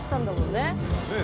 ねえ。